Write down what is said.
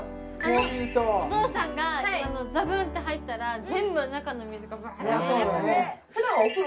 お父さんがザブンって入ったら全部中の水がバーってそうだね